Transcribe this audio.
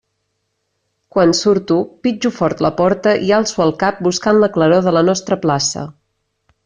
Quan surto, pitjo fort la porta i alço el cap buscant la claror de la nostra plaça.